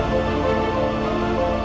mengurus dan merawat anaknya dengan baik